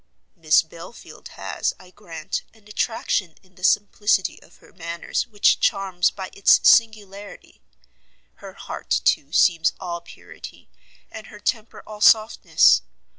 "Miss Belfield has, I grant, an attraction in the simplicity of her manners which charms by its singularity; her heart, too, seems all purity, and her temper all softness.